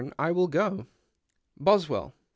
I will go " IJoswELL.